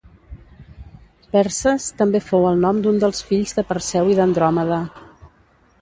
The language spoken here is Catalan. Perses també fou el nom d'un dels fills de Perseu i d'Andròmeda.